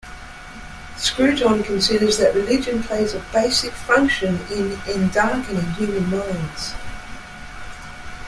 Scruton considers that religion plays a basic function in "endarkening" human minds.